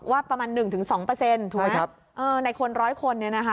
ว่าประมาณ๑๒เปอร์เซ็นต์ถูกไหมครับในคน๑๐๐คนนี่นะครับ